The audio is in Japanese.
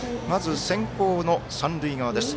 先攻の三塁側です。